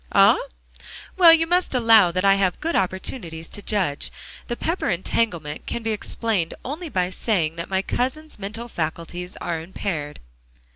"Ah? Well, you must allow that I have good opportunities to judge. The Pepper entanglement can be explained only by saying that my cousin's mental faculties are impaired."